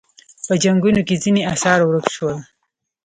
په جنګونو کې ځینې اثار ورک شول